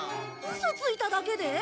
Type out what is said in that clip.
ウソついただけで？